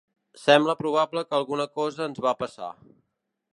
Sembla probable que alguna cosa ens va passar.